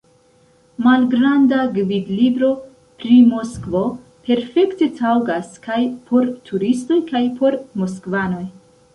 Malgranda gvidlibro pri Moskvo perfekte taŭgas kaj por turistoj kaj por moskvanoj.